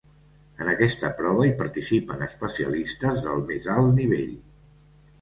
En aquesta prova hi participen especialistes del mes al nivell.